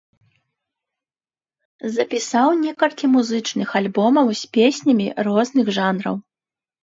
Запісаў некалькі музычных альбомаў з песнямі розных жанраў.